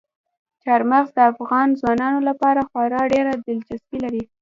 چار مغز د افغان ځوانانو لپاره خورا ډېره دلچسپي لري.